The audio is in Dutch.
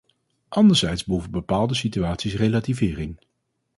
Anderzijds behoeven bepaalde situaties relativering.